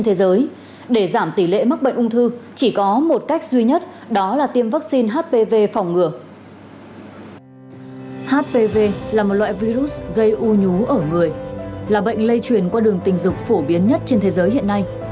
hpv là một loại virus gây u nhú ở người là bệnh lây truyền qua đường tình dục phổ biến nhất trên thế giới hiện nay